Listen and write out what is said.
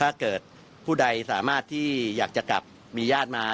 ถ้าเกิดผู้ใดสามารถที่อยากจะกลับมีญาติมา